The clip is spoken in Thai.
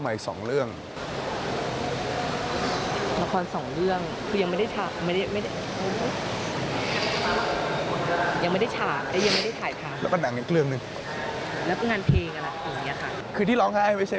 มาเต็มขนาดนี้วางมือบนบ่าน